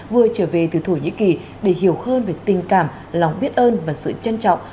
vừa trở về từ thổ nhĩ kỳ để hiểu hơn về tình cảm lòng biết ơn và sự trân trọng